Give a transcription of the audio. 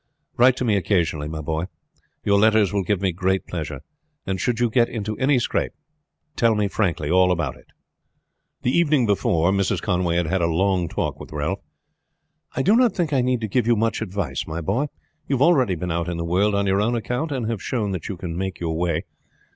Write to me occasionally, my boy; your letters will give me great pleasure. And should you get into any scrape, tell me frankly all about it." The evening before Mrs. Conway had had a long talk with Ralph. "I do not think I need to give you much advice, my boy. You have already been out in the world on your own account, and have shown that you can make your way.